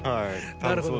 なるほど。